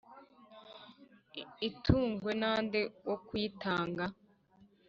Itungwe na nde wo kuyitanga?